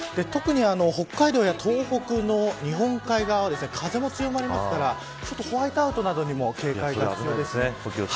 特に北海道や東北の日本海側は風も強まりますからホワイトアウトなどにも警戒が必要です。